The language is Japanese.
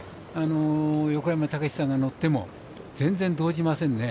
横山武史さんが乗っても全然動じませんね。